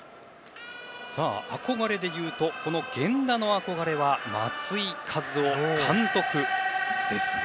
憧れで言うと、源田の憧れは松井稼頭央監督ですね。